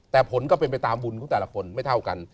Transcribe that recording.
แต่ผลก็เป็นไปตามบุญของแต่ละคนไม่เท่ากัน